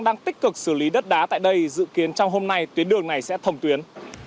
đang tích cực xử lý đất đá tại đây dự kiến trong hôm nay tuyến đường này sẽ thồng tuyến